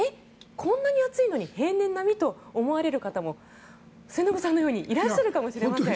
こんなに暑いのに平年並み？と思われる方も末延さんのようにいらっしゃるかもしれません。